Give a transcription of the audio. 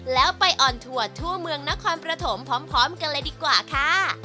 แล้วไปออนทัวร์ทั่วเมืองนครปฐมพร้อมกันเลยดีกว่าค่ะ